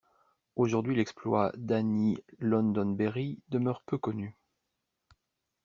Aujourd'hui l'exploit d'Annie Londonberry demeure peu connu.